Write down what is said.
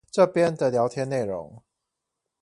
這邊的聊天內容